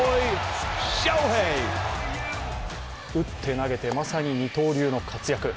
打って、投げて、まさに二刀流の活躍。